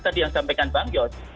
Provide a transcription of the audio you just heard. tadi yang disampaikan bang yos